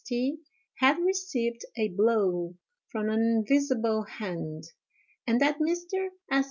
—— had received a blow from an invisible hand; and that Mr. St.